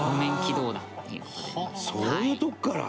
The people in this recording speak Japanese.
そういうとこから？